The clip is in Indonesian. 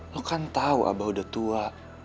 lo kan tahu abah udah tua